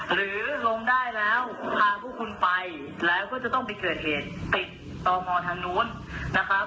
หรือลงได้แล้วพาพวกคุณไปแล้วก็จะต้องไปเกิดเหตุติดต่อทางนู้นนะครับ